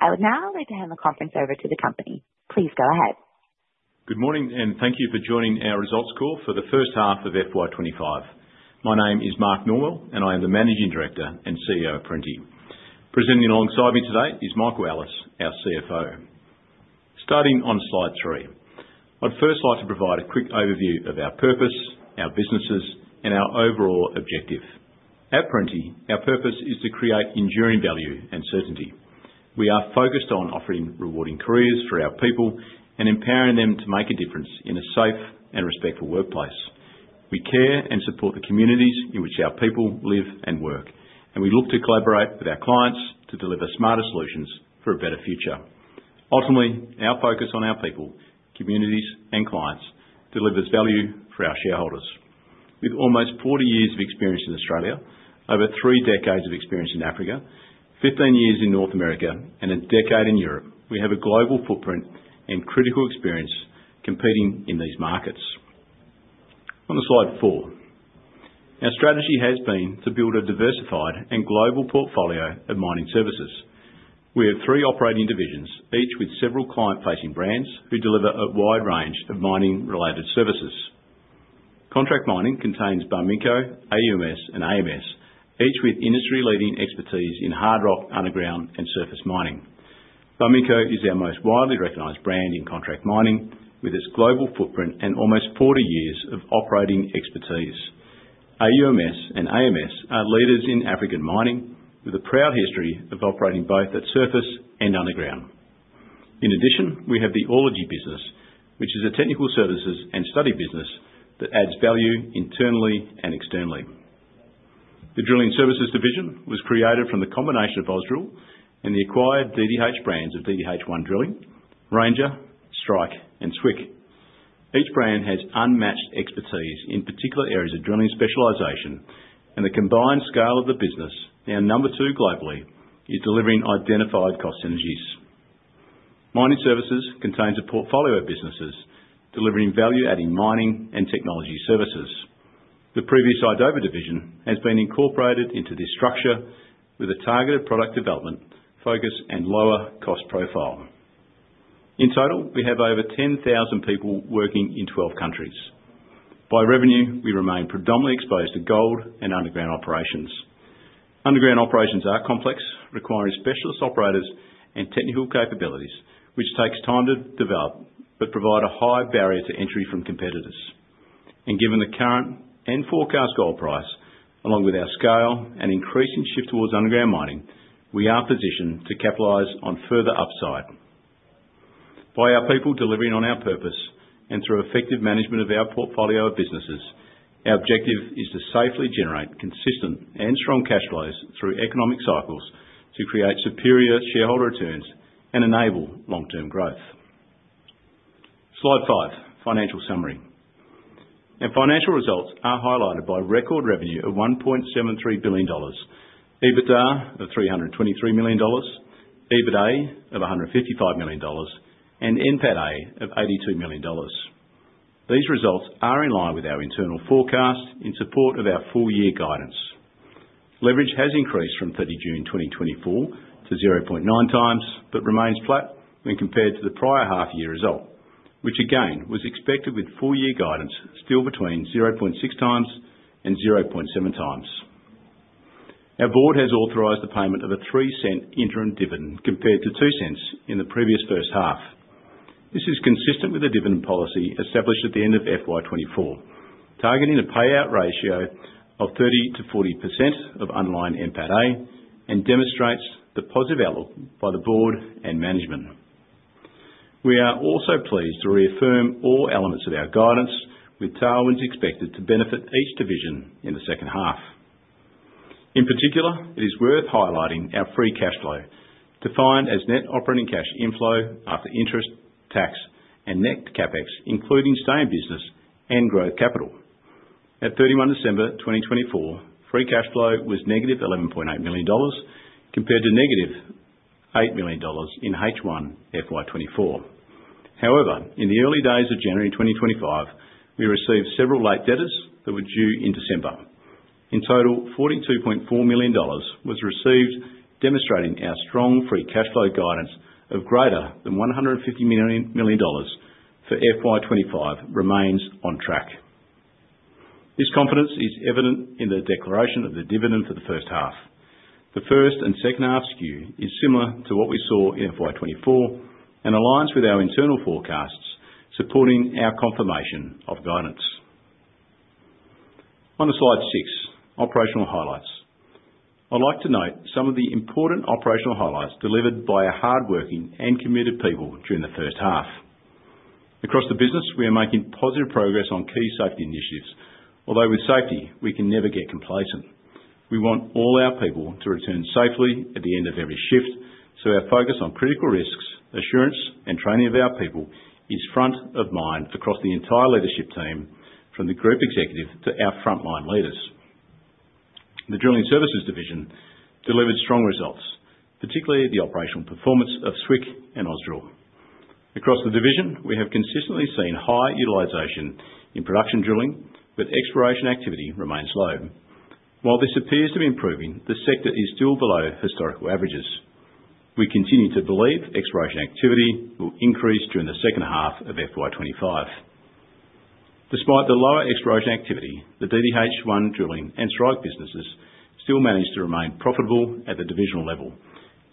I would now like to hand the conference over to the company. Please go ahead. Good morning, and thank you for joining our results call for the first half of FY 2025. My name is Mark Norwell, and I am the Managing Director and CEO of Perenti. Presenting alongside me today is Michael Ellis, our CFO. Starting on slide three, I'd first like to provide a quick overview of our purpose, our businesses, and our overall objective. At Perenti, our purpose is to create enduring value and certainty. We are focused on offering rewarding careers for our people and empowering them to make a difference in a safe and respectful workplace. We care and support the communities in which our people live and work, and we look to collaborate with our clients to deliver smarter solutions for a better future. Ultimately, our focus on our people, communities, and clients delivers value for our shareholders. With almost 40 years of experience in Australia, over three decades of experience in Africa, 15 years in North America, and a decade in Europe, we have a global footprint and critical experience competing in these markets. On Slide 4, our strategy has been to build a diversified and global portfolio of mining services. We have three operating divisions, each with several client-facing brands who deliver a wide range of mining-related services. Contract mining contains Barminco, AUMS, and AMS, each with industry-leading expertise in hard rock, underground, and surface mining. Barminco is our most widely recognized brand in contract mining, with its global footprint and almost 40 years of operating expertise. AUMS and AMS are leaders in African mining, with a proud history of operating both at surface and underground. In addition, we have the Orelogy business, which is a technical services and study business that adds value internally and externally. The Drilling Services division was created from the combination of Ausdrill and the acquired DDH brands of DDH1 Drilling, Ranger, Strike, and Swick. Each brand has unmatched expertise in particular areas of drilling specialization, and the combined scale of the business, now number two globally, is delivering identified cost synergies. Mining services contains a portfolio of businesses delivering value-adding mining and technology services. The previous Idoba division has been incorporated into this structure with a targeted product development focus and lower cost profile. In total, we have over 10,000 people working in 12 countries. By revenue, we remain predominantly exposed to gold and underground operations. Underground operations are complex, requiring specialist operators and technical capabilities, which takes time to develop but provide a high barrier to entry from competitors, and given the current and forecast gold price, along with our scale and increasing shift towards underground mining, we are positioned to capitalize on further upside. By our people delivering on our purpose and through effective management of our portfolio of businesses, our objective is to safely generate consistent and strong cash flows through economic cycles to create superior shareholder returns and enable long-term growth. Slide five, financial summary. Our financial results are highlighted by record revenue of $1.73 billion, EBITDA of $323 million, EBITA of $155 million, and NPATA of $82 million. These results are in line with our internal forecast in support of our full-year guidance. Leverage has increased from 30 June 2024 to 0.9 times but remains flat when compared to the prior half-year result, which again was expected with full-year guidance still between 0.6 times and 0.7 times. Our board has authorized the payment of an 0.03 interim dividend compared to 0.02 in the previous first half. This is consistent with the dividend policy established at the end of FY 2024, targeting a payout ratio of 30%-40% of underlying NPATA and demonstrates the positive outlook by the board and management. We are also pleased to reaffirm all elements of our guidance with targets expected to benefit each division in the second half. In particular, it is worth highlighting our free cash flow, defined as net operating cash inflow after interest, tax, and net CapEx, including stay-in-business and growth capital. At 31 December 2024, free cash flow was negative 11.8 million dollars compared to negative 8 million dollars in H1 FY 2024. However, in the early days of January 2025, we received several late debtors that were due in December. In total, 42.4 million dollars was received, demonstrating our strong free cash flow guidance of greater than 150 million dollars for FY 2025 remains on track. This confidence is evident in the declaration of the dividend for the first half. The first and second half skew is similar to what we saw in FY 2024 and aligns with our internal forecasts, supporting our confirmation of guidance. On the slide six, operational highlights. I'd like to note some of the important operational highlights delivered by our hardworking and committed people during the first half. Across the business, we are making positive progress on key safety initiatives, although with safety, we can never get complacent. We want all our people to return safely at the end of every shift, so our focus on critical risks, assurance, and training of our people is front of mind across the entire leadership team, from the group executive to our frontline leaders. The drilling services division delivered strong results, particularly the operational performance of Swick and Ausdrill. Across the division, we have consistently seen high utilization in production drilling, but exploration activity remains low. While this appears to be improving, the sector is still below historical averages. We continue to believe exploration activity will increase during the second half of FY 2025. Despite the lower exploration activity, the DDH1 Drilling and Strike businesses still manage to remain profitable at the divisional level,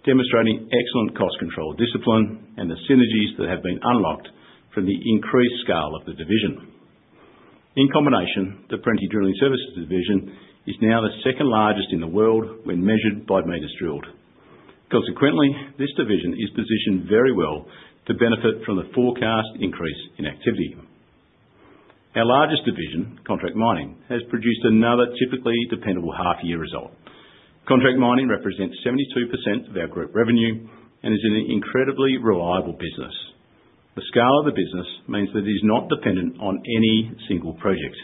demonstrating excellent cost control discipline and the synergies that have been unlocked from the increased scale of the division. In combination, the Perenti Drilling Services division is now the second largest in the world when measured by meters drilled. Consequently, this division is positioned very well to benefit from the forecast increase in activity. Our largest division, contract mining, has produced another typically dependable half-year result. Contract mining represents 72% of our group revenue and is an incredibly reliable business. The scale of the business means that it is not dependent on any single project.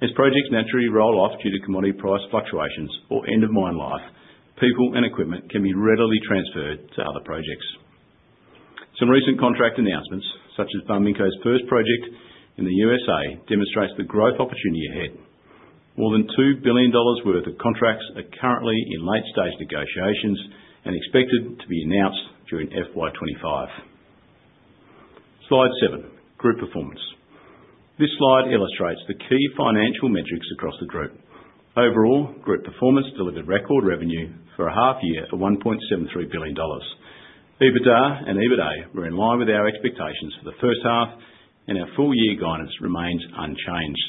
As projects naturally roll off due to commodity price fluctuations or end-of-mine life, people and equipment can be readily transferred to other projects. Some recent contract announcements, such as Barminco's first project in the USA, demonstrate the growth opportunity ahead. More than 2 billion dollars worth of contracts are currently in late-stage negotiations and expected to be announced during FY 2025. Slide seven, group performance. This slide illustrates the key financial metrics across the group. Overall, group performance delivered record revenue for a half-year of 1.73 billion dollars. EBITDA and EBITA were in line with our expectations for the first half, and our full-year guidance remains unchanged.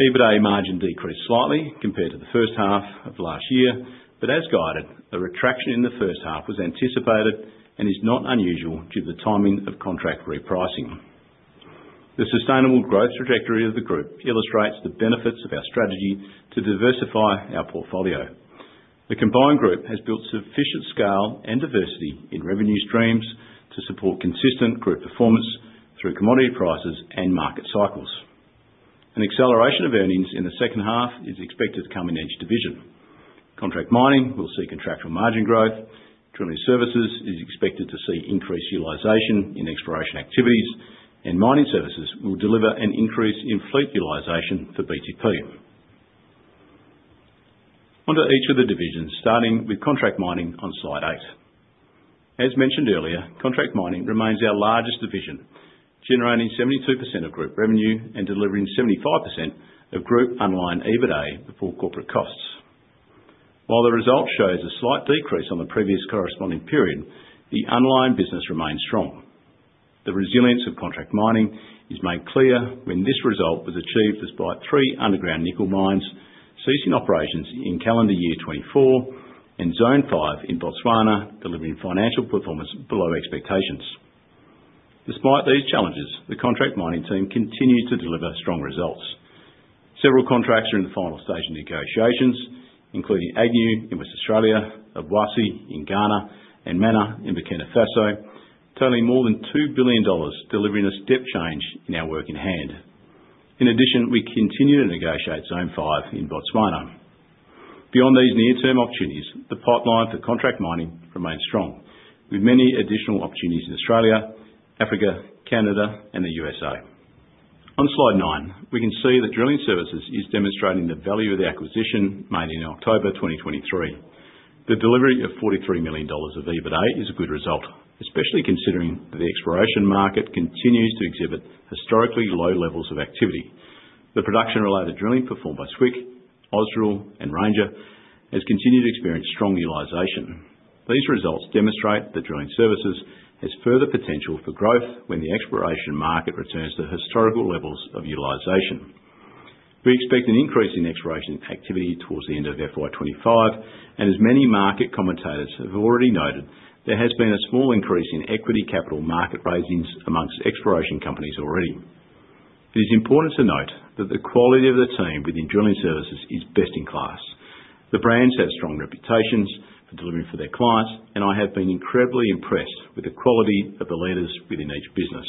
EBITA margin decreased slightly compared to the first half of last year, but as guided, a retraction in the first half was anticipated and is not unusual due to the timing of contract repricing. The sustainable growth trajectory of the group illustrates the benefits of our strategy to diversify our portfolio. The combined group has built sufficient scale and diversity in revenue streams to support consistent group performance through commodity prices and market cycles. An acceleration of earnings in the second half is expected to come in each division. Contract mining will see contractual margin growth. Drilling services is expected to see increased utilization in exploration activities, and mining services will deliver an increase in fleet utilization for BTP. Onto each of the divisions, starting with contract mining on slide eight. As mentioned earlier, contract mining remains our largest division, generating 72% of group revenue and delivering 75% of group underlying EBITA before corporate costs. While the result shows a slight decrease on the previous corresponding period, the underlying business remains strong. The resilience of contract mining is made clear when this result was achieved despite three underground nickel mines ceasing operations in calendar year 2024 and Zone 5 in Botswana delivering financial performance below expectations. Despite these challenges, the contract mining team continues to deliver strong results. Several contracts are in the final stage of negotiations, including Agnew in Western Australia, Obuasi in Ghana, and Mana in Burkina Faso, totaling more than 2 billion dollars, delivering a step change in our work in hand. In addition, we continue to negotiate Zone 5 in Botswana. Beyond these near-term opportunities, the pipeline for contract mining remains strong, with many additional opportunities in Australia, Africa, Canada, and the USA. On slide nine, we can see that drilling services is demonstrating the value of the acquisition made in October 2023. The delivery of 43 million dollars of EBITA is a good result, especially considering that the exploration market continues to exhibit historically low levels of activity. The production-related drilling performed by Swick, Ausdrill, and Ranger has continued to experience strong utilization. These results demonstrate that drilling services has further potential for growth when the exploration market returns to historical levels of utilization. We expect an increase in exploration activity towards the end of FY 2025, and as many market commentators have already noted, there has been a small increase in equity capital market raisings amongst exploration companies already. It is important to note that the quality of the team within drilling services is best in class. The brands have strong reputations for delivering for their clients, and I have been incredibly impressed with the quality of the leaders within each business.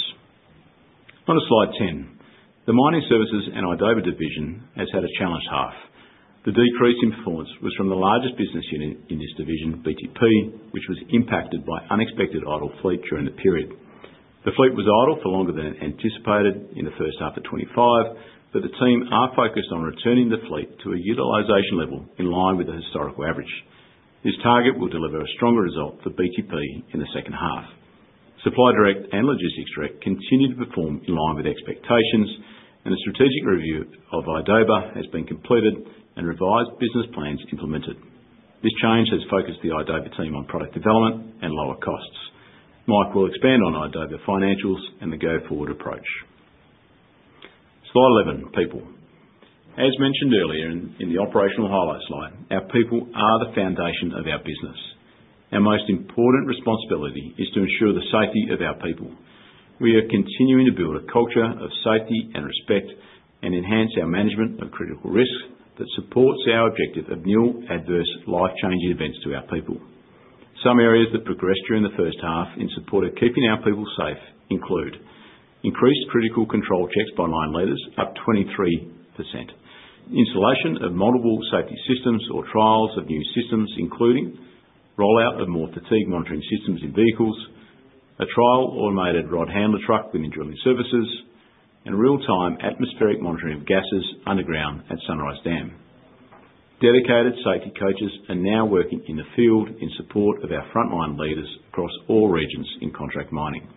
On slide 10, the mining services and Idoba division has had a challenged half. The decrease in performance was from the largest business unit in this division, BTP, which was impacted by unexpected idle fleet during the period. The fleet was idle for longer than anticipated in the first half of 2025, but the team are focused on returning the fleet to a utilization level in line with the historical average. This target will deliver a stronger result for BTP in the second half. Supply Direct and Logistics Direct continue to perform in line with expectations, and a strategic review of Idoba has been completed and revised business plans implemented. This change has focused the Idoba team on product development and lower costs. Mike will expand on Idoba financials and the go-forward approach. Slide 11, people. As mentioned earlier in the operational highlight slide, our people are the foundation of our business. Our most important responsibility is to ensure the safety of our people. We are continuing to build a culture of safety and respect and enhance our management of critical risk that supports our objective of null adverse life-changing events to our people. Some areas that progressed during the first half in support of keeping our people safe include increased critical control checks by line leaders up 23%, installation of multiple safety systems or trials of new systems, including rollout of more fatigue monitoring systems in vehicles, a trial automated rod handler truck within drilling services, and real-time atmospheric monitoring of gases underground at Sunrise Dam. Dedicated safety coaches are now working in the field in support of our frontline leaders across all regions in contract mining.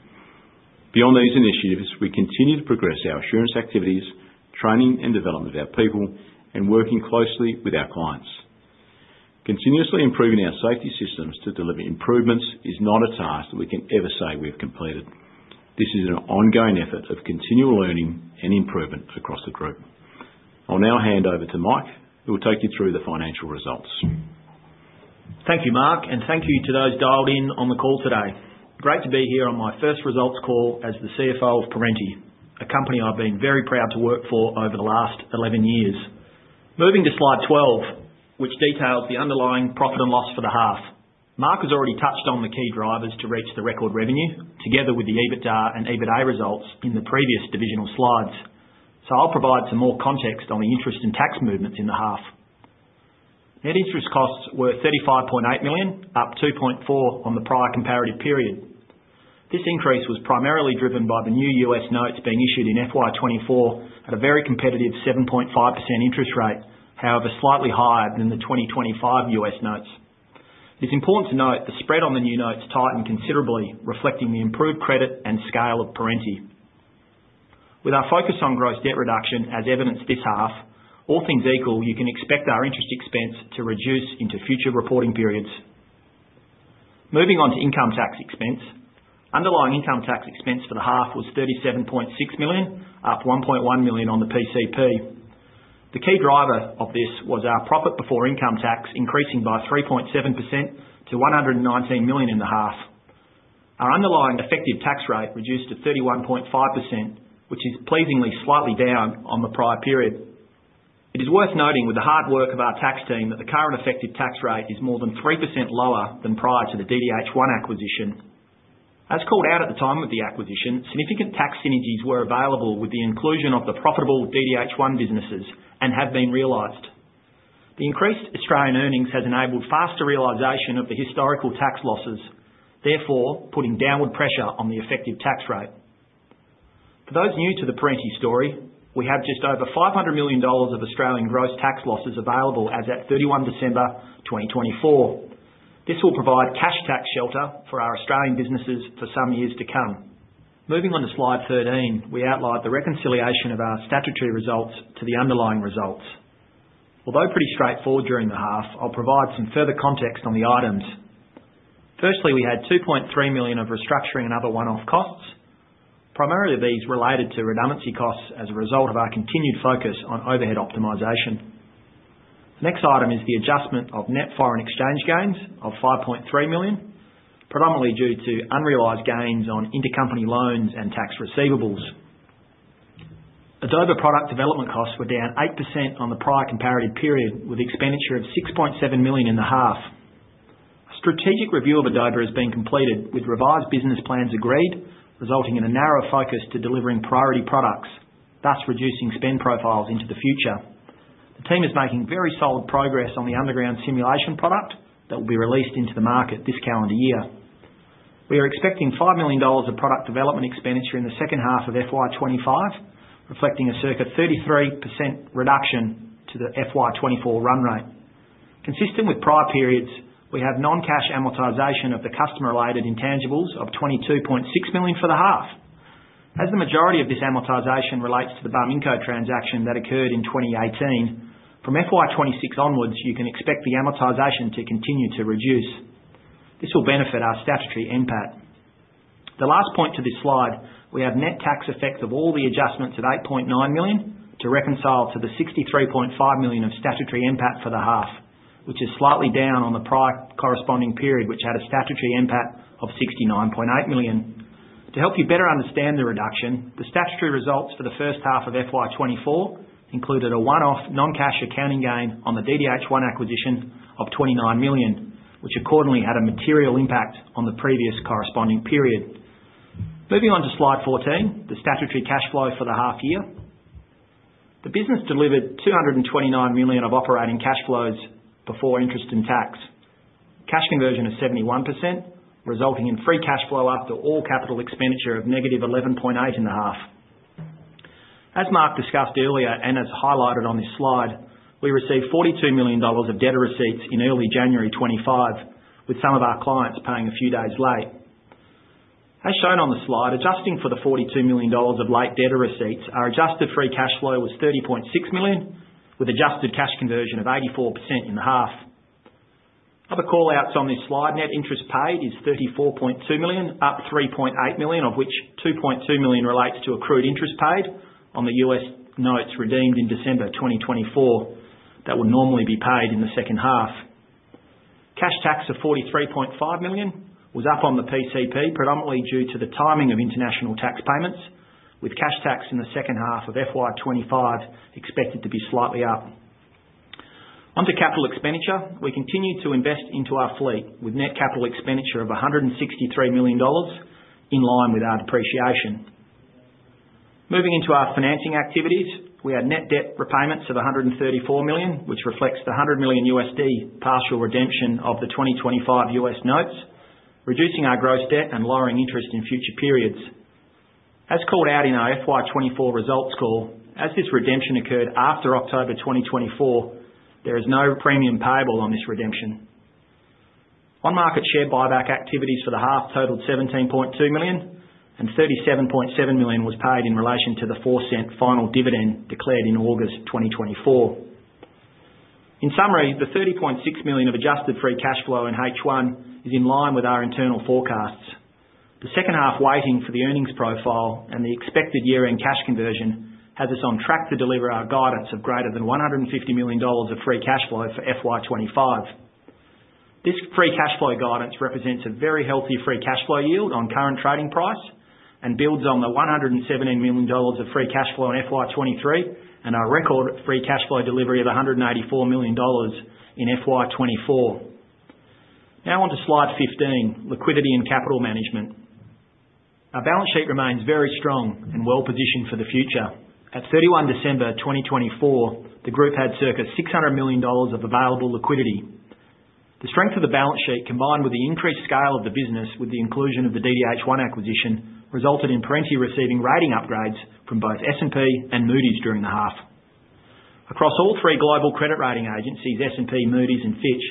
Beyond these initiatives, we continue to progress our assurance activities, training and development of our people, and working closely with our clients. Continuously improving our safety systems to deliver improvements is not a task that we can ever say we have completed. This is an ongoing effort of continual learning and improvement across the group. I'll now hand over to Mike, who will take you through the financial results. Thank you, Mark, and thank you to those dialed in on the call today. Great to be here on my first results call as the CFO of Perenti, a company I've been very proud to work for over the last 11 years. Moving to slide 12, which details the underlying profit and loss for the half. Mark has already touched on the key drivers to reach the record revenue, together with the EBITDA and EBITA results in the previous divisional slides, so I'll provide some more context on the interest and tax movements in the half. Net interest costs were 35.8 million, up 2.4 million on the prior comparative period. This increase was primarily driven by the new US notes being issued in FY 2024 at a very competitive 7.5% interest rate, however slightly higher than the 2025 US notes. It's important to note the spread on the new notes tightened considerably, reflecting the improved credit and scale of Perenti. With our focus on gross debt reduction, as evidenced this half, all things equal, you can expect our interest expense to reduce into future reporting periods. Moving on to income tax expense, underlying income tax expense for the half was $37.6 million, up 1.1 million on the PCP. The key driver of this was our profit before income tax increasing by 3.7% to $119 million in the half. Our underlying effective tax rate reduced to 31.5%, which is pleasingly slightly down on the prior period. It is worth noting, with the hard work of our tax team, that the current effective tax rate is more than 3% lower than prior to the DDH1 acquisition. As called out at the time of the acquisition, significant tax synergies were available with the inclusion of the profitable DDH1 businesses and have been realized. The increased Australian earnings has enabled faster realization of the historical tax losses, therefore putting downward pressure on the effective tax rate. For those new to the Perenti story, we have just over 500 million dollars of Australian gross tax losses available as at 31 December 2024. This will provide cash tax shelter for our Australian businesses for some years to come. Moving on to slide 13, we outlined the reconciliation of our statutory results to the underlying results. Although pretty straightforward during the half, I'll provide some further context on the items. Firstly, we had 2.3 million of restructuring and other one-off costs, primarily these related to redundancy costs as a result of our continued focus on overhead optimization. The next item is the adjustment of net foreign exchange gains of 5.3 million, predominantly due to unrealized gains on intercompany loans and tax receivables. Idoba product development costs were down 8% on the prior comparative period, with expenditure of 6.7 million in the half. A strategic review of Idoba has been completed with revised business plans agreed, resulting in a narrow focus to delivering priority products, thus reducing spend profiles into the future. The team is making very solid progress on the underground simulation product that will be released into the market this calendar year. We are expecting 5 million dollars of product development expenditure in the second half of FY 2025, reflecting a circa 33% reduction to the FY 2024 run rate. Consistent with prior periods, we have non-cash amortization of the customer-related intangibles of $22.6 million for the half. As the majority of this amortization relates to the Barminco transaction that occurred in 2018, from FY 2026 onwards, you can expect the amortization to continue to reduce. This will benefit our statutory NPAT. The last point to this slide, we have net tax effect of all the adjustments of $8.9 million to reconcile to the $63.5 million of statutory NPAT for the half, which is slightly down on the prior corresponding period, which had a statutory NPAT of $69.8 million. To help you better understand the reduction, the statutory results for the first half of FY 2024 included a one-off non-cash accounting gain on the DDH1 acquisition of $29 million, which accordingly had a material impact on the previous corresponding period. Moving on to slide 14, the statutory cash flow for the half-year. The business delivered 229 million of operating cash flows before interest and tax. Cash conversion is 71%, resulting in free cash flow after all capital expenditure of negative 11.8 million in the half. As Mark discussed earlier and as highlighted on this slide, we received 42 million dollars of debtor receipts in early January 2025, with some of our clients paying a few days late. As shown on the slide, adjusting for the 42 million dollars of late debtor receipts, our adjusted free cash flow was 30.6 million, with adjusted cash conversion of 84% in the half. Other callouts on this slide, net interest paid is 34.2 million, up 3.8 million, of which 2.2 million relates to accrued interest paid on the U.S. notes redeemed in December 2024 that will normally be paid in the second half. Cash tax of 43.5 million was up on the PCP, predominantly due to the timing of international tax payments, with cash tax in the second half of FY 2025 expected to be slightly up. On to capital expenditure, we continue to invest into our fleet with net capital expenditure of 163 million dollars in line with our depreciation. Moving into our financing activities, we had net debt repayments of 134 million, which reflects the $100 million USD partial redemption of the 2025 US notes, reducing our gross debt and lowering interest in future periods. As called out in our FY 2024 results call, as this redemption occurred after October 2024, there is no premium payable on this redemption. On-market share buyback activities for the half totaled 17.2 million, and 37.7 million was paid in relation to the 0.04 final dividend declared in August 2024. In summary, the $30.6 million of adjusted free cash flow in H1 is in line with our internal forecasts. The second half weighted for the earnings profile and the expected year-end cash conversion has us on track to deliver our guidance of greater than $150 million of free cash flow for FY 2025. This free cash flow guidance represents a very healthy free cash flow yield on current trading price and builds on the $117 million of free cash flow in FY 2023 and our record free cash flow delivery of $184 million in FY 2024. Now on to slide 15, liquidity and capital management. Our balance sheet remains very strong and well-positioned for the future. At 31 December 2024, the group had circa $600 million of available liquidity. The strength of the balance sheet, combined with the increased scale of the business with the inclusion of the DDH1 acquisition, resulted in Perenti receiving rating upgrades from both S&P and Moody's during the half. Across all three global credit rating agencies, S&P, Moody's, and Fitch,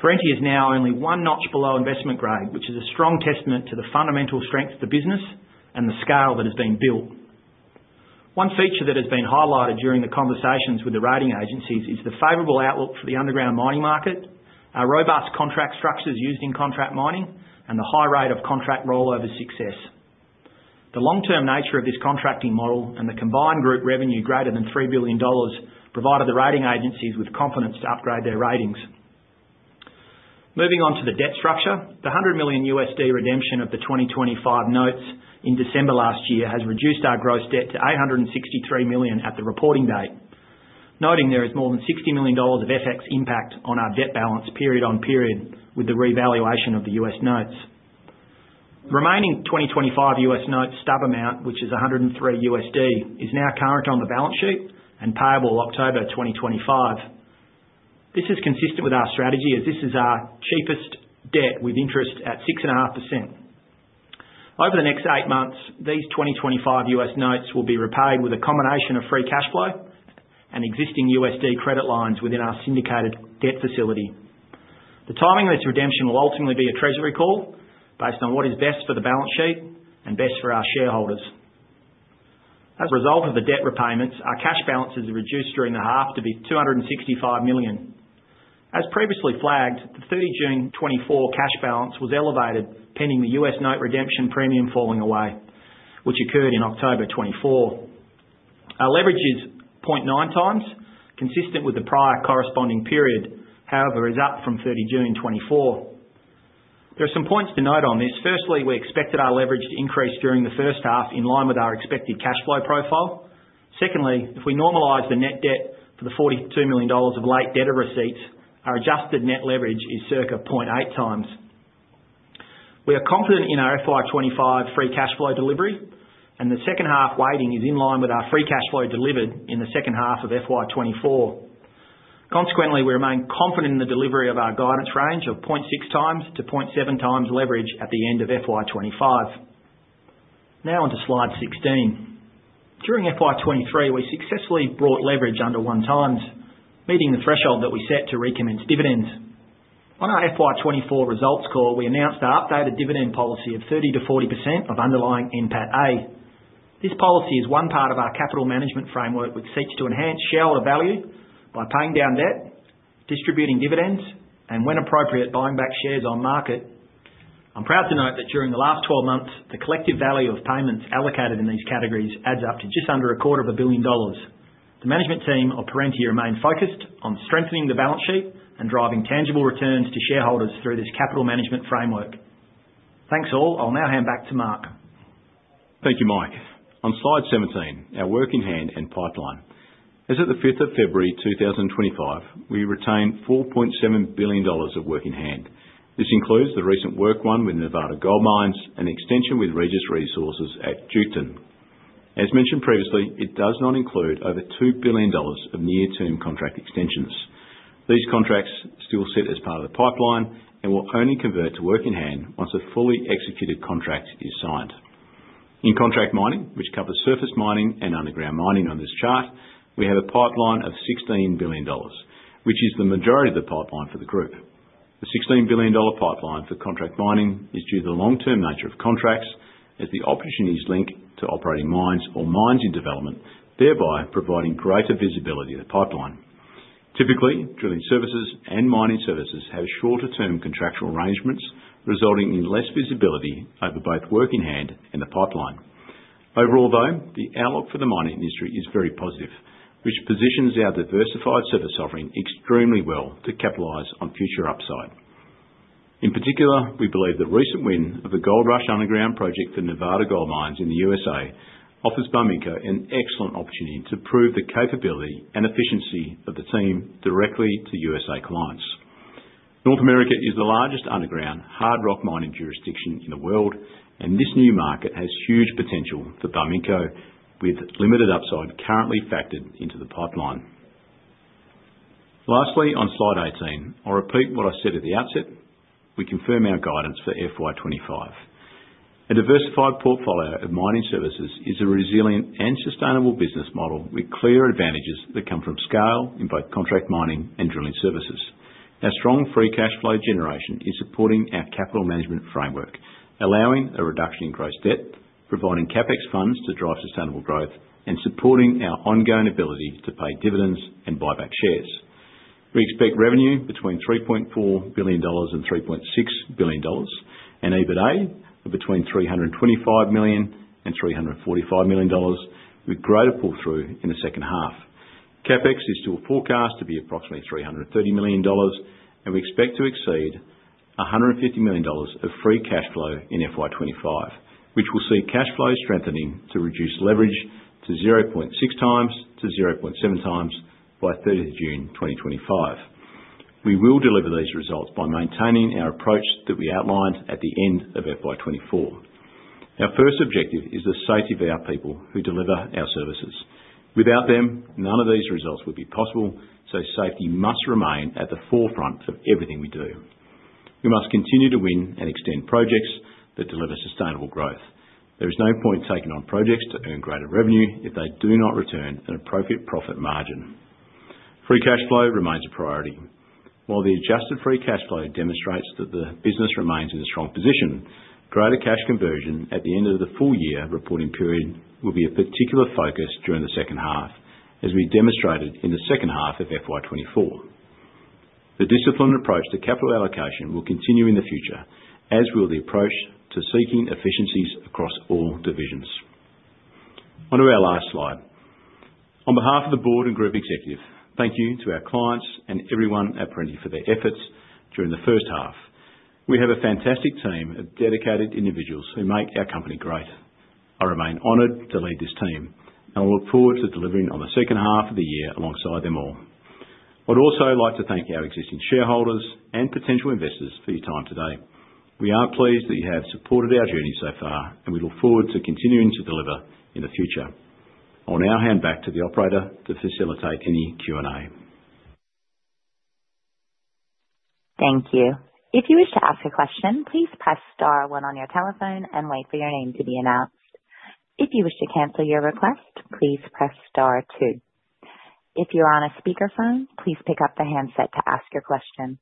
Perenti is now only one notch below investment grade, which is a strong testament to the fundamental strength of the business and the scale that has been built. One feature that has been highlighted during the conversations with the rating agencies is the favorable outlook for the underground mining market, our robust contract structures used in contract mining, and the high rate of contract rollover success. The long-term nature of this contracting model and the combined group revenue greater than 3 billion dollars provided the rating agencies with confidence to upgrade their ratings. Moving on to the debt structure, the $100 million USD redemption of the 2025 notes in December last year has reduced our gross debt to $863 million at the reporting date, noting there is more than $60 million of FX impact on our debt balance period on period with the revaluation of the US notes. The remaining 2025 US notes stub amount, which is $103 USD, is now current on the balance sheet and payable October 2025. This is consistent with our strategy as this is our cheapest debt with interest at 6.5%. Over the next eight months, these 2025 US notes will be repaid with a combination of free cash flow and existing USD credit lines within our syndicated debt facility. The timing of this redemption will ultimately be a treasury call based on what is best for the balance sheet and best for our shareholders. As a result of the debt repayments, our cash balances are reduced during the half to be $265 million. As previously flagged, the 30 June 2024 cash balance was elevated pending the US note redemption premium falling away, which occurred in October 2024. Our leverage is 0.9 times, consistent with the prior corresponding period, however is up from 30 June 2024. There are some points to note on this. Firstly, we expected our leverage to increase during the first half in line with our expected cash flow profile. Secondly, if we normalize the net debt for the $42 million of late debtor receipts, our adjusted net leverage is circa 0.8 times. We are confident in our FY 2025 free cash flow delivery, and the second half weighting is in line with our free cash flow delivered in the second half of FY 2024. Consequently, we remain confident in the delivery of our guidance range of 0.6-0.7 times leverage at the end of FY 2025. Now on to slide 16. During FY 2023, we successfully brought leverage under one times, meeting the threshold that we set to recommence dividends. On our FY 2024 results call, we announced our updated dividend policy of 30%-40% of underlying NPATA. This policy is one part of our capital management framework, which seeks to enhance shareholder value by paying down debt, distributing dividends, and when appropriate, buying back shares on market. I'm proud to note that during the last 12 months, the collective value of payments allocated in these categories adds up to just under $250 million. The management team of Perenti remain focused on strengthening the balance sheet and driving tangible returns to shareholders through this capital management framework. Thanks all. I'll now hand back to Mark. Thank you, Mike. On slide 17, our work in hand and pipeline. As of the 5th of February 2025, we retain 4.7 billion dollars of work in hand. This includes the recent win with Nevada Gold Mines and extension with Regis Resources at Duketon. As mentioned previously, it does not include over 2 billion dollars of near-term contract extensions. These contracts still sit as part of the pipeline and will only convert to work in hand once a fully executed contract is signed. In contract mining, which covers surface mining and underground mining on this chart, we have a pipeline of 16 billion dollars, which is the majority of the pipeline for the group. The $16 billion pipeline for contract mining is due to the long-term nature of contracts as the opportunities link to operating mines or mines in development, thereby providing greater visibility of the pipeline. Typically, drilling services and mining services have shorter-term contractual arrangements, resulting in less visibility over both work in hand and the pipeline. Overall, though, the outlook for the mining industry is very positive, which positions our diversified service offering extremely well to capitalize on future upside. In particular, we believe the recent win of the Goldrush Underground project for Nevada Gold Mines in the USA offers Barminco an excellent opportunity to prove the capability and efficiency of the team directly to USA clients. North America is the largest underground hard rock mining jurisdiction in the world, and this new market has huge potential for Barminco with limited upside currently factored into the pipeline. Lastly, on slide 18, I'll repeat what I said at the outset. We confirm our guidance for FY 2025. A diversified portfolio of mining services is a resilient and sustainable business model with clear advantages that come from scale in both contract mining and drilling services. Our strong free cash flow generation is supporting our capital management framework, allowing a reduction in gross debt, providing CapEx funds to drive sustainable growth, and supporting our ongoing ability to pay dividends and buy back shares. We expect revenue between $3.4 billion and $3.6 billion, and EBITA between $325 million and $345 million, with greater pull-through in the second half. CapEx is still forecast to be approximately $330 million, and we expect to exceed $150 million of free cash flow in FY 2025, which will see cash flow strengthening to reduce leverage to 0.6 times to 0.7 times by 30 June 2025. We will deliver these results by maintaining our approach that we outlined at the end of FY 2024. Our first objective is the safety of our people who deliver our services. Without them, none of these results would be possible, so safety must remain at the forefront of everything we do. We must continue to win and extend projects that deliver sustainable growth. There is no point taking on projects to earn greater revenue if they do not return an appropriate profit margin. Free cash flow remains a priority. While the adjusted free cash flow demonstrates that the business remains in a strong position, greater cash conversion at the end of the full year reporting period will be a particular focus during the second half, as we demonstrated in the second half of FY 2024. The disciplined approach to capital allocation will continue in the future, as will the approach to seeking efficiencies across all divisions. Onto our last slide. On behalf of the board and group executive, thank you to our clients and everyone at Perenti for their efforts during the first half. We have a fantastic team of dedicated individuals who make our company great. I remain honored to lead this team, and I look forward to delivering on the second half of the year alongside them all. I'd also like to thank our existing shareholders and potential investors for your time today. We are pleased that you have supported our journey so far, and we look forward to continuing to deliver in the future. I'll now hand back to the operator to facilitate any Q&A. Thank you. If you wish to ask a question, please press star one on your telephone and wait for your name to be announced. If you wish to cancel your request, please press star two. If you are on a speakerphone, please pick up the handset to ask your question.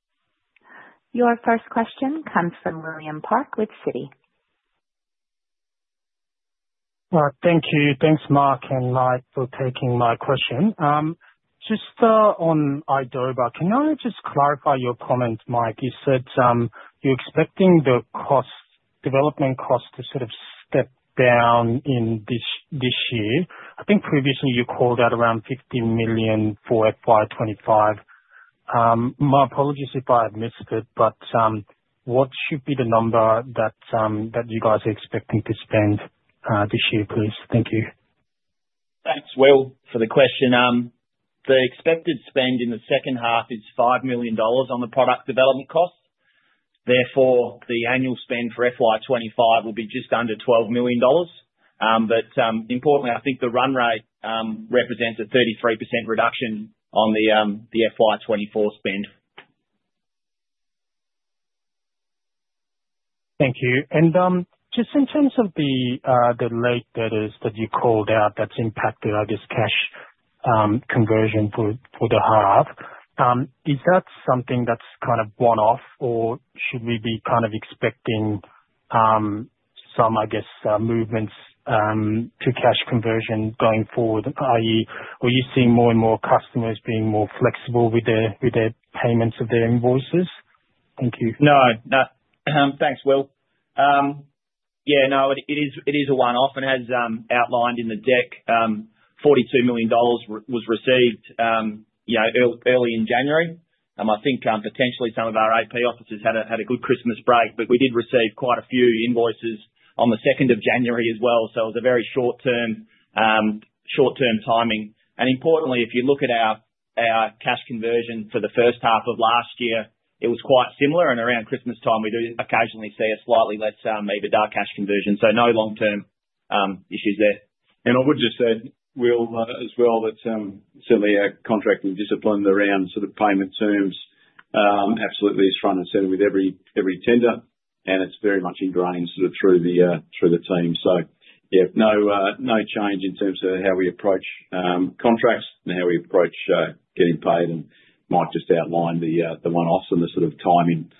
Your first question comes from William Park with Citi. Thank you. Thanks, Mark and Mike, for taking my question. Just on Idoba, can you just clarify your comment, Mike? You said you're expecting the development cost to sort of step down in this year. I think previously you called out around 50 million for FY 2025. My apologies if I have missed it, but what should be the number that you guys are expecting to spend this year, please? Thank you. Thanks, Will, for the question. The expected spend in the second half is 5 million dollars on the product development cost. Therefore, the annual spend for FY 2025 will be just under 12 million dollars. But importantly, I think the run rate represents a 33% reduction on the FY 2024 spend. Thank you. And just in terms of the late debtors that you called out, that's impacted, I guess, cash conversion for the half, is that something that's kind of one-off, or should we be kind of expecting some, I guess, movements to cash conversion going forward? I.e., are you seeing more and more customers being more flexible with their payments of their invoices? Thank you. No, no. Thanks, Will. Yeah, no, it is a one-off. And as outlined in the deck, 42 million dollars was received early in January. I think potentially some of our AP officers had a good Christmas break, but we did receive quite a few invoices on the 2nd of January as well. So it was a very short-term timing. Importantly, if you look at our cash conversion for the first half of last year, it was quite similar. And around Christmas time, we do occasionally see a slightly less, maybe marked cash conversion. So no long-term issues there. And I would just add, Will, as well, that certainly our contracting discipline around sort of payment terms absolutely is front and center with every tender, and it's very much ingrained sort of through the team. So yeah, no change in terms of how we approach contracts and how we approach getting paid. And Mike just outlined the one-offs and the sort of timing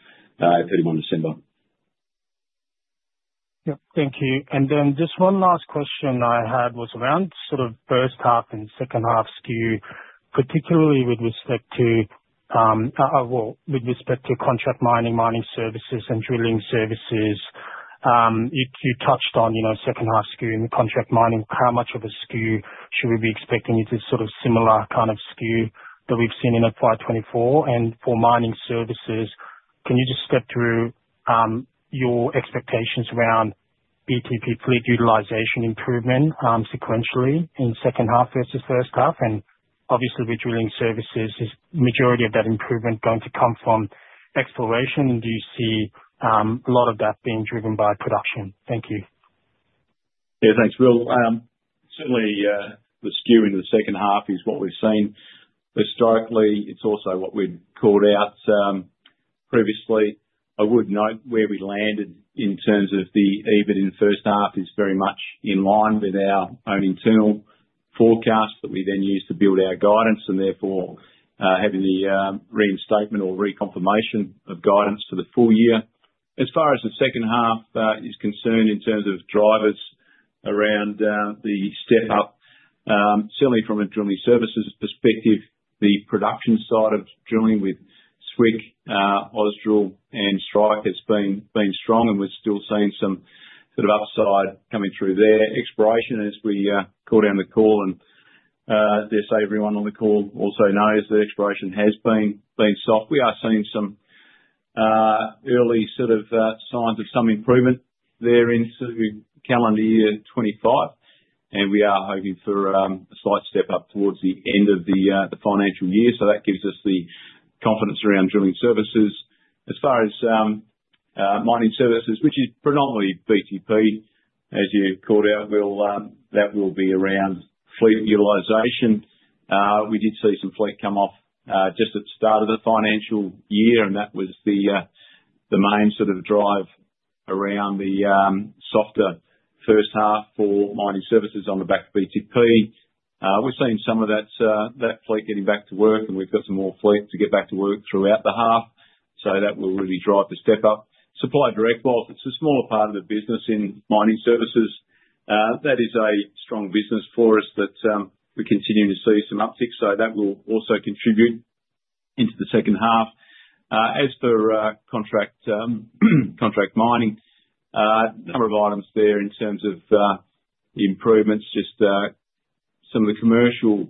at 31 December. Yep, thank you. And then just one last question I had was around sort of first half and second half skew, particularly with respect to, well, with respect to contract mining, mining services, and drilling services. You touched on second half skew and contract mining. How much of a skew should we be expecting? Is it sort of similar kind of skew that we've seen in FY 2024? And for mining services, can you just step through your expectations around BTP fleet utilization improvement sequentially in second half versus first half? And obviously, with drilling services, is the majority of that improvement going to come from exploration, and do you see a lot of that being driven by production? Thank you. Yeah, thanks, Will. Certainly, the skew into the second half is what we've seen historically. It's also what we'd called out previously. I would note where we landed in terms of the EBIT in the first half is very much in line with our own internal forecast that we then use to build our guidance, and therefore having the reinstatement or reconfirmation of guidance for the full year. As far as the second half is concerned in terms of drivers around the step up, certainly from a drilling services perspective, the production side of drilling with Swick, Ausdrill, and Strike has been strong, and we're still seeing some sort of upside coming through there. Exploration, as we called out on the call, and I'd say everyone on the call also knows that exploration has been soft. We are seeing some early sort of signs of some improvement there in calendar year 2025, and we are hoping for a slight step up towards the end of the financial year. So that gives us the confidence around drilling services. As far as mining services, which is predominantly BTP, as you called out, that will be around fleet utilization. We did see some fleet come off just at the start of the financial year, and that was the main sort of drive around the softer first half for mining services on the back of BTP. We're seeing some of that fleet getting back to work, and we've got some more fleet to get back to work throughout the half. So that will really drive the step up. Supply Direct, well, it's a smaller part of the business in mining services. That is a strong business for us that we continue to see some uptick. So that will also contribute into the second half. As for contract mining, a number of items there in terms of improvements, just some of the commercial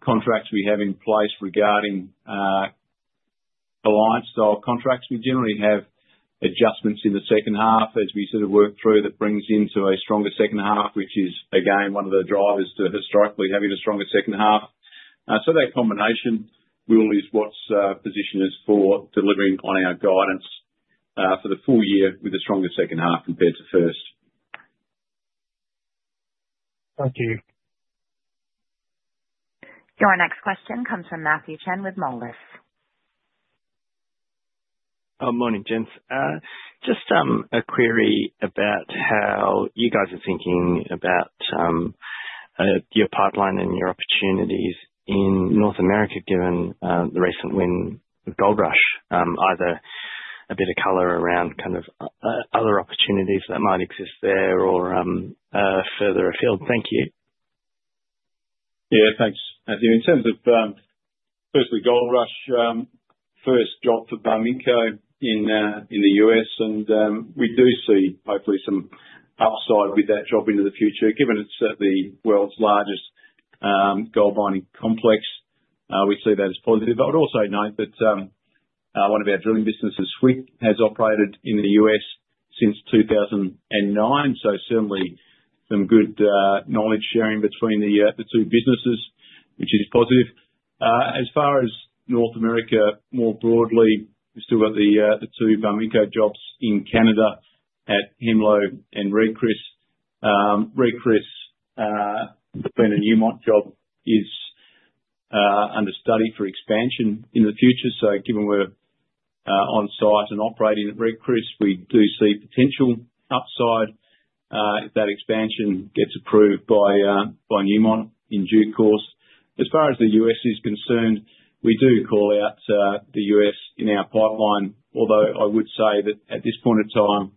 contracts we have in place regarding Alliance-style contracts. We generally have adjustments in the second half as we sort of work through that brings into a stronger second half, which is, again, one of the drivers to historically having a stronger second half. So that combination, Will, is what's positioned us for delivering on our guidance for the full year with a stronger second half compared to first. Thank you. Your next question comes from Matthew Chen with Moelis. Morning, Gents. Just a query about how you guys are thinking about your pipeline and your opportunities in North America given the recent win with Goldrush. Either a bit of color around kind of other opportunities that might exist there or further afield. Thank you. Yeah, thanks, Matthew. In terms of, firstly, Goldrush, first job for Barminco in the U.S., and we do see hopefully some upside with that job into the future. Given it's certainly the world's largest gold mining complex, we see that as positive. I would also note that one of our drilling businesses, Swick, has operated in the U.S. since 2009. So certainly some good knowledge sharing between the two businesses, which is positive. As far as North America more broadly, we've still got the two Barminco jobs in Canada at Hemlo and Red Chris. Red Chris, the Barminco Newmont job, is under study for expansion in the future. So given we're on site and operating at Red Chris, we do see potential upside if that expansion gets approved by Newmont in due course. As far as the U.S. is concerned, we do call out the U.S. in our pipeline, although I would say that at this point in time,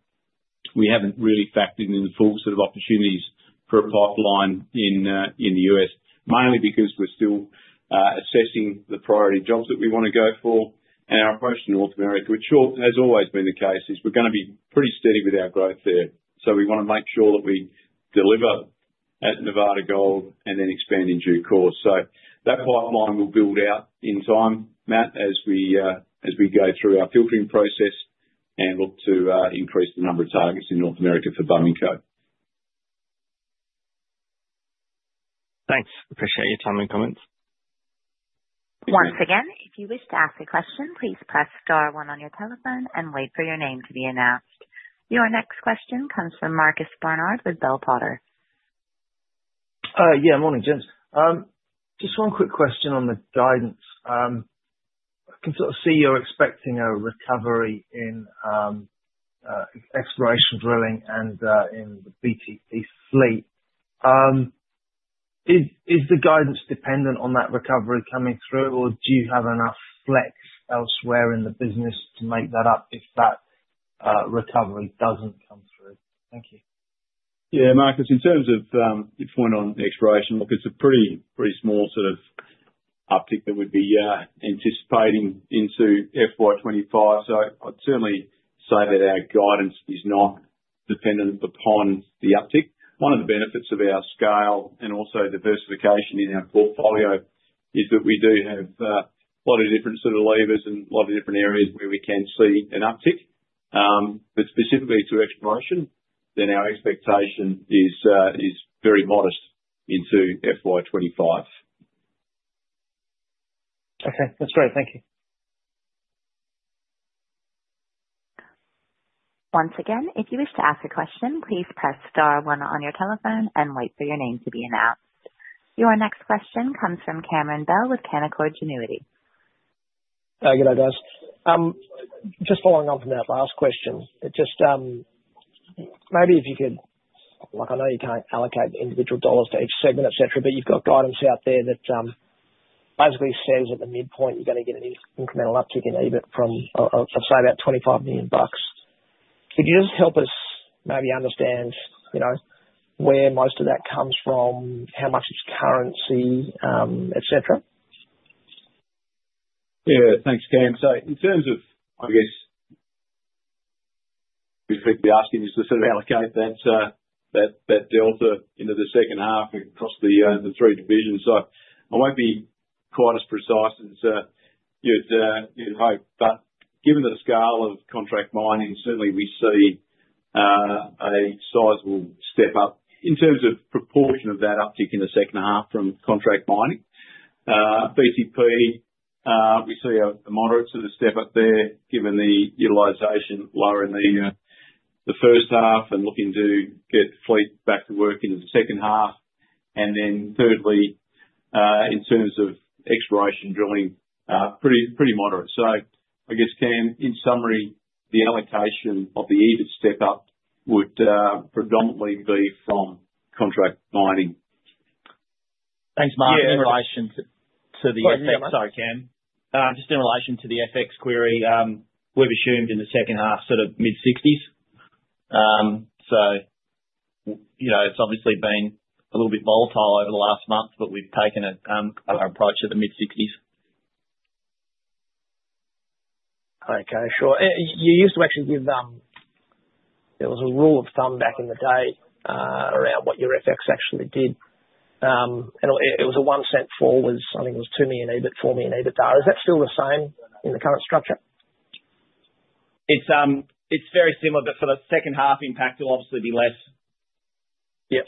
we haven't really factored in the full set of opportunities for a pipeline in the U.S., mainly because we're still assessing the priority jobs that we want to go for, and our approach to North America, which has always been the case, is we're going to be pretty steady with our growth there, so we want to make sure that we deliver at Nevada Gold and then expand in due course, so that pipeline will build out in time, Matt, as we go through our filtering process and look to increase the number of targets in North America for Barminco. Thanks. Appreciate your time and comments. Once again, if you wish to ask a question, please press star one on your telephone and wait for your name to be announced. Your next question comes from Marcus Barnard with Bell Potter. Yeah, morning, Gents. Just one quick question on the guidance. I can sort of see you're expecting a recovery in exploration drilling and in the BTP fleet. Is the guidance dependent on that recovery coming through, or do you have enough flex elsewhere in the business to make that up if that recovery doesn't come through? Thank you. Yeah, Marcus, in terms of your point on exploration, look, it's a pretty small sort of uptick that we'd be anticipating into FY 2025. So I'd certainly say that our guidance is not dependent upon the uptick. One of the benefits of our scale and also diversification in our portfolio is that we do have a lot of different sort of levers and a lot of different areas where we can see an uptick. But specifically to exploration, then our expectation is very modest into FY 2025. Okay, that's great. Thank you. Once again, if you wish to ask a question, please press star one on your telephone and wait for your name to be announced. Your next question comes from Cameron Bell with Canaccord Genuity. Hello, g'day, guys. Just following on from that last question, just maybe if you could, like, I know you can't allocate individual dollars to each segment, etc., but you've got guidance out there that basically says at the midpoint you're going to get an incremental uptick in EBIT from, I'd say, about $25 million bucks. Could you just help us maybe understand where most of that comes from, how much it's currency, etc.? Yeah, thanks, Cam. So in terms of, I guess, if you're asking us to sort of allocate that delta into the second half and across the three divisions, so I won't be quite as precise as you'd hope. But given the scale of contract mining, certainly we see a sizable step up in terms of proportion of that uptick in the second half from contract mining. BTP, we see a moderate sort of step up there given the utilization lower in the first half and looking to get fleet back to work in the second half. And then thirdly, in terms of exploration drilling, pretty moderate. So I guess, Cam, in summary, the allocation of the EBIT step up would predominantly be from contract mining. Thanks, Mark. In relation to the FX, sorry, Cam. Just in relation to the FX query, we've assumed in the second half sort of mid-60s. So it's obviously been a little bit volatile over the last month, but we've taken our approach at the mid-60s. Okay, sure. You used to actually give, there was a rule of thumb back in the day around what your FX actually did. It was a one-cent fall. I think it was 2 million EBIT, 4 million EBITDA. Is that still the same in the current structure? It's very similar, but for the second half impact will obviously be less. Yep,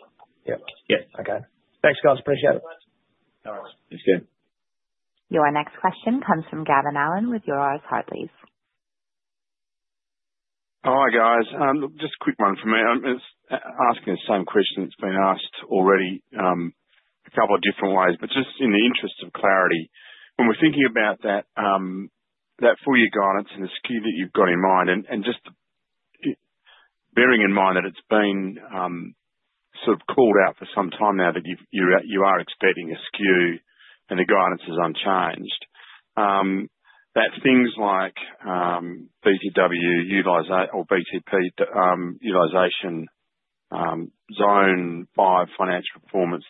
yep. Yep. Okay. Thanks, guys. Appreciate it. All right. Sounds good. Your next question comes from Gavin Allen with Euroz Hartleys. Hi, guys. Just a quick one from me. I'm asking the same question that's been asked already a couple of different ways, but just in the interest of clarity, when we're thinking about that full year guidance and the skew that you've got in mind, and just bearing in mind that it's been sort of called out for some time now that you are expecting a skew and the guidance is unchanged, that things like BTP utilization, Zone 5, by financial performance,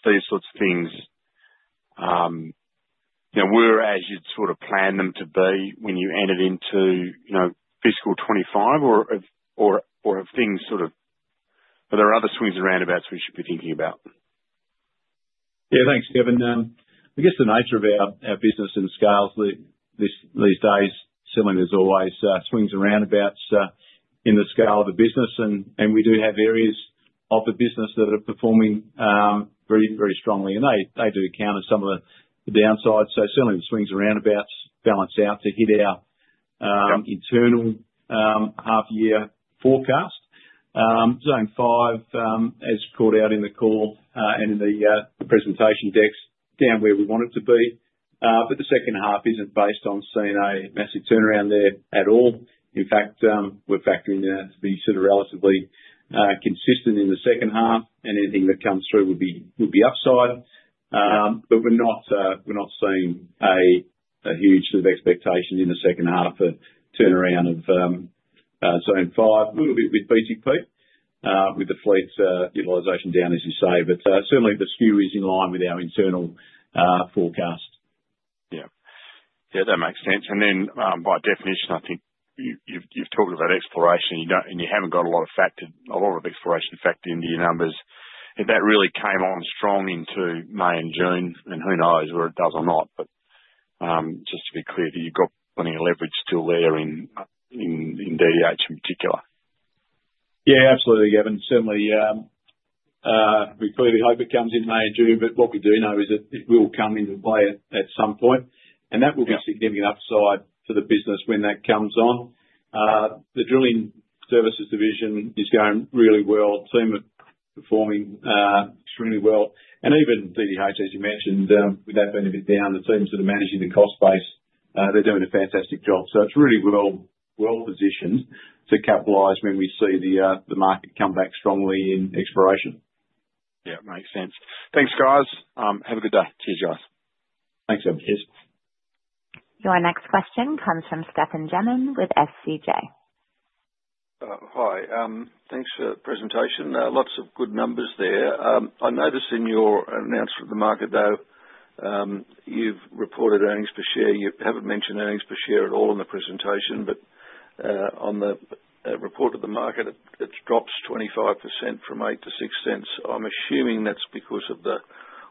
these sorts of things, were as you'd sort of planned them to be when you entered into fiscal 2025, or have things sort of, are there other swings and roundabouts we should be thinking about? Yeah, thanks, Kevin. I guess the nature of our business and scales these days. Certainly there's always swings and roundabouts in the scale of the business, and we do have areas of the business that are performing very, very strongly, and they do account for some of the downsides. So certainly the swings and roundabouts balance out to hit our internal half-year forecast. Zone 5 has called out in the call and in the presentation decks down where we want it to be, but the second half isn't based on seeing a massive turnaround there at all. In fact, we're factoring that to be sort of relatively consistent in the second half, and anything that comes through would be upside. But we're not seeing a huge sort of expectation in the second half for turnaround of Zone 5, a little bit with BTP, with the fleet utilization down, as you say, but certainly the SKU is in line with our internal forecast. Yeah. Yeah, that makes sense. And then by definition, I think you've talked about exploration, and you haven't got a lot of exploration factored into your numbers. If that really came on strong into May and June, then who knows where it does or not, but just to be clear, do you got plenty of leverage still there in DDH in particular? Yeah, absolutely, Gavin. Certainly, we clearly hope it comes in May and June, but what we do know is that it will come into play at some point, and that will be a significant upside to the business when that comes on. The drilling services division is going really well. The team are performing extremely well, and even DDH, as you mentioned, with that benefit down, the teams that are managing the cost base, they're doing a fantastic job. So it's really well positioned to capitalize when we see the market come back strongly in exploration. Yeah, makes sense. Thanks, guys. Have a good day. Cheers, guys. Thanks, everyone. Cheers. Your next question comes from Stefan Gemmin with SCJ. Hi. Thanks for the presentation. Lots of good numbers there. I noticed in your announcement to the market, though, you've reported earnings per share. You haven't mentioned earnings per share at all in the presentation, but on the report to the market, it drops 25% from 0.08 to 0.06. I'm assuming that's because of the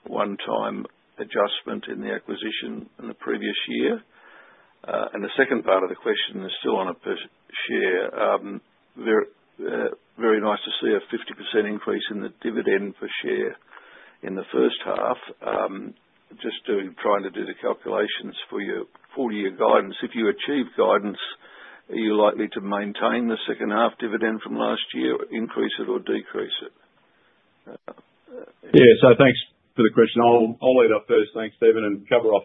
one-time adjustment in the acquisition in the previous year. The second part of the question is still on a per share. Very nice to see a 50% increase in the dividend per share in the first half. Just trying to do the calculations for your full year guidance. If you achieve guidance, are you likely to maintain the second half dividend from last year, increase it, or decrease it? Yeah, so thanks for the question. I'll lead up first. Thanks, Stephen, and cover off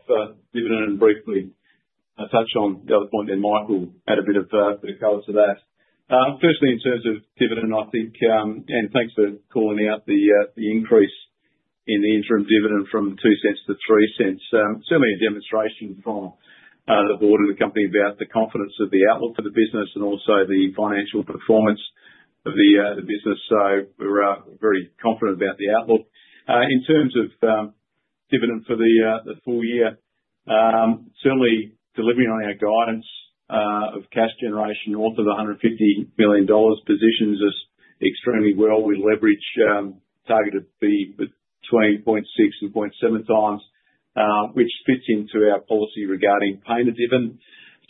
dividend and briefly touch on the other point, then Mike will add a bit of color to that. Firstly, in terms of dividend, I think, and thanks for calling out the increase in the interim dividend from 0.02 to 0.03. Certainly a demonstration from the board and the company about the confidence of the outlook for the business and also the financial performance of the business. So we're very confident about the outlook. In terms of dividend for the full year, certainly delivering on our guidance of cash generation north of 150 million dollars positions us extremely well. Our targeted leverage between 0.6-0.7 times, which fits into our policy regarding paying dividends.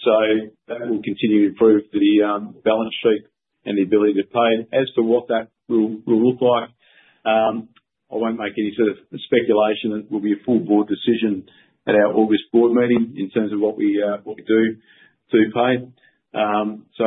So that will continue to improve the balance sheet and the ability to pay. As for what that will look like, I won't make any sort of speculation. It will be a full board decision at our August board meeting in terms of what we decide to pay. So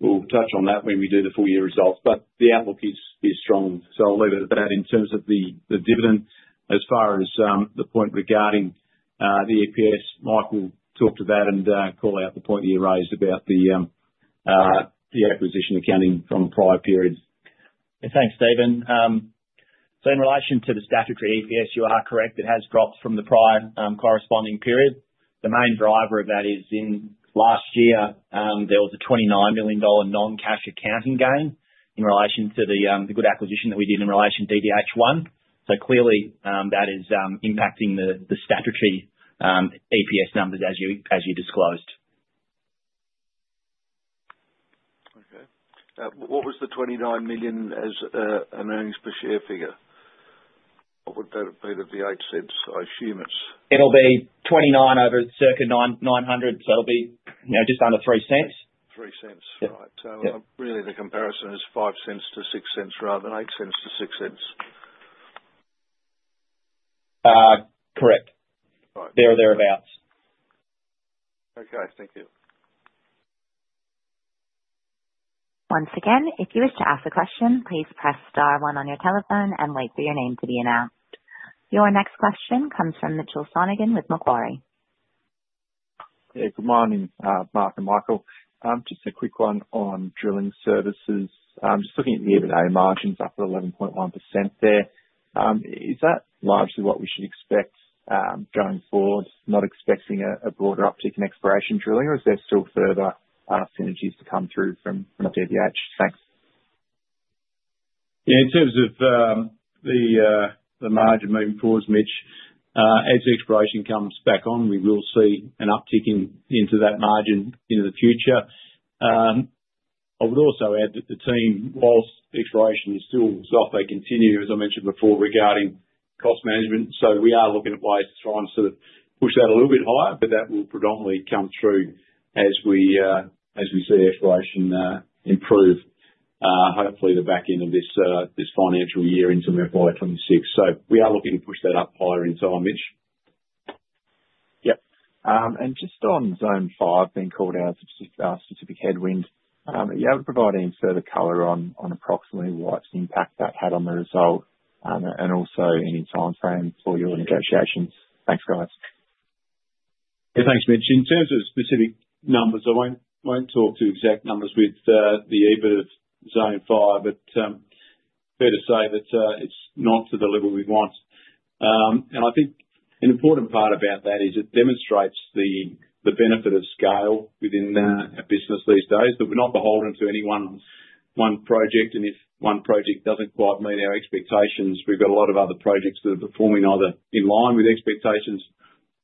we'll touch on that when we do the full year results, but the outlook is strong. So I'll leave it at that. In terms of the dividend, as far as the point regarding the EPS, Mike will talk to that and call out the point that you raised about the acquisition accounting from the prior period. Thanks, Stephen. So in relation to the statutory EPS, you are correct. It has dropped from the prior corresponding period. The main driver of that is in last year, there was an 29 million dollar non-cash accounting gain in relation to the good acquisition that we did in relation to DDH1. So clearly, that is impacting the statutory EPS numbers as you disclosed. Okay. What was the 29 million as an earnings per share figure? What would that have been of the 8 cents? I assume it's. It'll be 29 over circa 900, so it'll be just under 3 cents. 3 cents, right. So really the comparison is 5 cents to 6 cents rather than 8 cents to 6 cents. Correct. They're thereabouts. Okay, thank you. Once again, if you wish to ask a question, please press star one on your telephone and wait for your name to be announced. Your next question comes from Mitchell Sonogan with Macquarie. Yeah, good morning, Mark and Michael. Just a quick one on drilling services. Just looking at year-to-date margins up at 11.1% there. Is that largely what we should expect going forward, not expecting a broader uptick in exploration drilling, or is there still further synergies to come through from DDH? Thanks. Yeah, in terms of the margin moving forward, Mitch, as exploration comes back on, we will see an uptick into that margin in the future. I would also add that the team, while exploration is still soft, continue, as I mentioned before, regarding cost management. So we are looking at ways to try and sort of push that a little bit higher, but that will predominantly come through as we see exploration improve, hopefully the back end of this financial year into FY 2026. So we are looking to push that up higher in time, Mitch. Yep. And just on Zone 5, being called out as specific headwind, are you able to provide any further color on approximately what impact that had on the result and also any timeframe for your negotiations? Thanks, guys. Yeah, thanks, Mitch. In terms of specific numbers, I won't talk to exact numbers with the EBIT of Zone 5, but fair to say that it's not to the level we want. I think an important part about that is it demonstrates the benefit of scale within a business these days, that we're not beholden to any one project, and if one project doesn't quite meet our expectations, we've got a lot of other projects that are performing either in line with expectations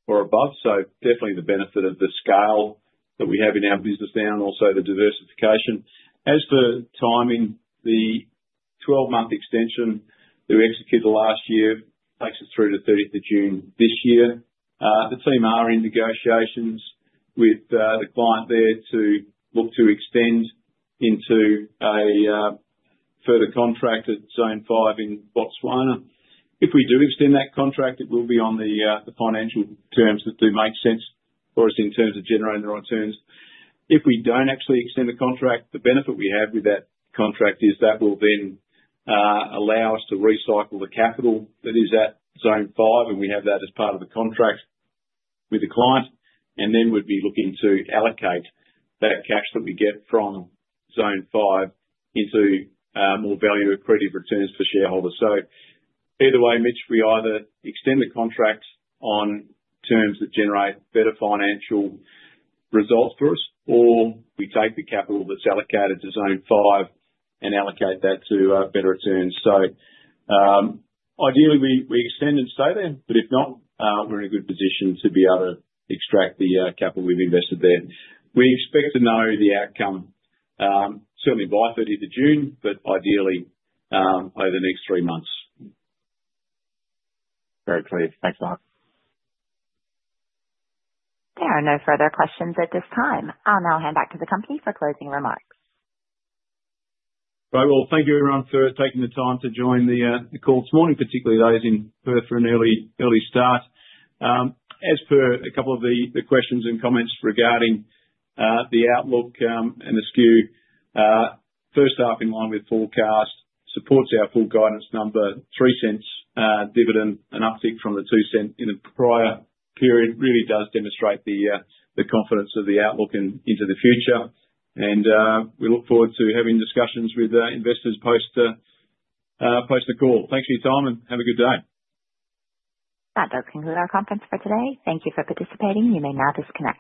or above. So definitely the benefit of the scale that we have in our business now and also the diversification. As for timing, the 12-month extension that we executed last year takes us through to 30th of June this year. The team are in negotiations with the client there to look to extend into a further contract at Zone 5 in Botswana. If we do extend that contract, it will be on the financial terms that do make sense for us in terms of generating the right terms. If we don't actually extend the contract, the benefit we have with that contract is that will then allow us to recycle the capital that is at Zone 5, and we have that as part of the contract with the client, and then we'd be looking to allocate that cash that we get from Zone 5 into more value-accretive returns for shareholders. So either way, Mitch, we either extend the contract on terms that generate better financial results for us, or we take the capital that's allocated to Zone 5 and allocate that to better returns. So ideally, we extend and stay there, but if not, we're in a good position to be able to extract the capital we've invested there. We expect to know the outcome certainly by 30th of June, but ideally over the next three months. Very clear. Thanks, Mark. There are no further questions at this time. I'll now hand back to the company for closing remarks. Right, well, thank you, everyone, for taking the time to join the call this morning, particularly those in Perth for an early start. As per a couple of the questions and comments regarding the outlook and the SKU, first up in line with forecast supports our full guidance number, 0.03 dividend, an uptick from the 0.02 in the prior period really does demonstrate the confidence of the outlook into the future and we look forward to having discussions with investors post the call. Thanks for your time, and have a good day. That does conclude our conference for today. Thank you for participating. You may now disconnect.